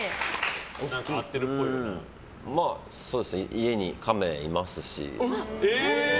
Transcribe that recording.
家にカメいますし。